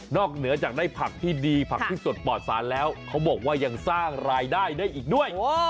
เหนือจากได้ผักที่ดีผักที่สดปลอดสารแล้วเขาบอกว่ายังสร้างรายได้ได้อีกด้วย